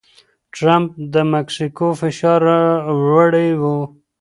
ټرمپ پر مکسیکو فشار راوړی و.